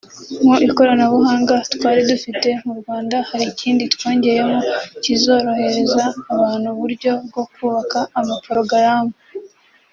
Mu ikoranabuhanga twari dufite mu Rwanda hari ikindi twongeyemo kizorohereza abantu uburyo bwo kubaka amaporogaramu